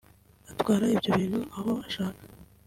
atwara ibyo ibintu aho ashaka